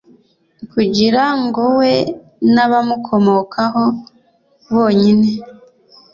kugira ngo we n'abamukomokaho bonyine